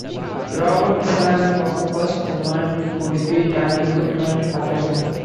Robertson was the first woman to defeat an incumbent congressman.